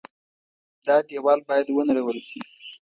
دا دېوال باید ونړول شي.